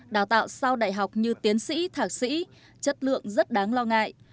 đào tạo sau đại học như tiến sĩ thạc sĩ chất lượng rất đáng lo ngại